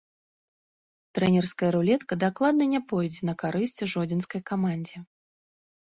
Трэнерская рулетка дакладна не пойдзе на карысць жодзінскай камандзе.